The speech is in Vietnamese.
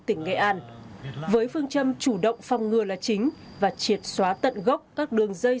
tỉnh nghệ an với phương châm chủ động phòng ngừa là chính và triệt xóa tận gốc các đường dây